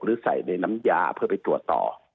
หรือใส่ในน้ำยาเพื่อไปตรวจต่อ